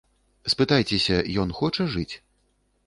Спытайцеся, ён хоча жыць?